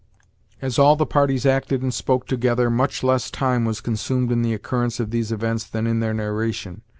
As all the parties acted and spoke together, much less time was consumed in the occurrence of these events than in their narration.